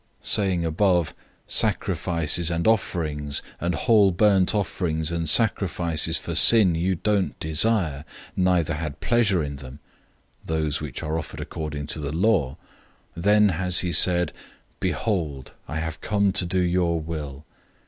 '"{Psalm 40:6 8} 010:008 Previously saying, "Sacrifices and offerings and whole burnt offerings and sacrifices for sin you didn't desire, neither had pleasure in them" (those which are offered according to the law), 010:009 then he has said, "Behold, I have come to do your will."